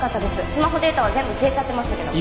スマホデータは全部消えちゃってましたけど。